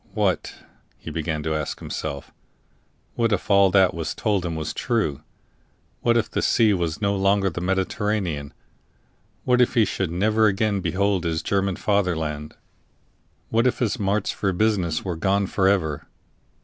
What, he began to ask himself what if all that was told him was true? What if this sea was no longer the Mediterranean? What if he should never again behold his German fatherland? What if his marts for business were gone for ever?